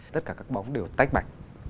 tất cả các bóng đều tách mạnh